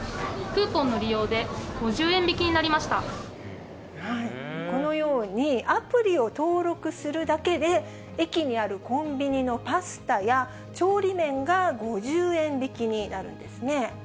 クーポンの利用で、このようにアプリを登録するだけで、駅にあるコンビニのパスタや調理麺が５０円引きになるんですね。